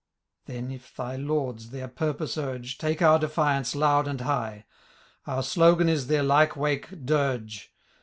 Then, if thy Lords their purpose urge^ Take our defiance loud and high ; Our slogan is their lyke wake^ diige.